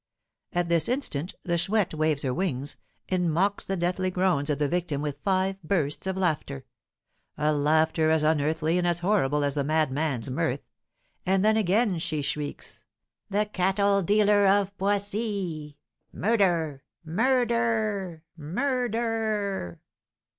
At this instant the Chouette waves her wings, and mocks the deathly groans of the victim with five bursts of laughter, a laughter as unearthly and as horrible as the madman's mirth; and then again she shrieks: "The cattle dealer of Poissy. Murder! murder! murder!"